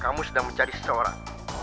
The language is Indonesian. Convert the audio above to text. kamu sedang mencari seseorang